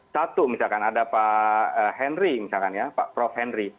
satu misalkan ada pak henry misalkan ya pak prof henry